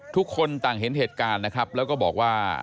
ทุกคนต่างเห็นเหตุการณ์นะครับแล้วก็บอกว่า